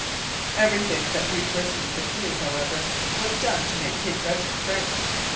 Everything that rechristening could do, however, was done to make Cape Breton French.